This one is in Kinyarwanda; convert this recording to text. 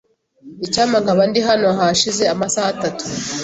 Icyampa nkaba ndi hano hashize amasaha atatu.